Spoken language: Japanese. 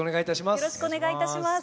よろしくお願いします。